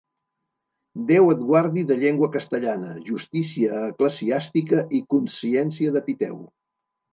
Déu et guardi de llengua castellana, justícia eclesiàstica i consciència de piteu.